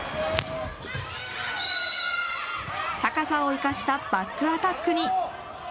高さを生かしたバックアタックに。